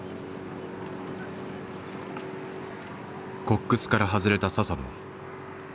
コックスから外れた佐々野。